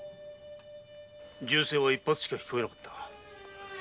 銃声は一発しか聞こえなかった。